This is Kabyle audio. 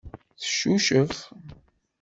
Teccucef.